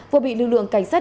vừa bị lưu lượng cảnh sát